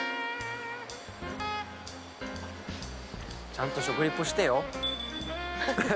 「ちゃんと食リポしてよ」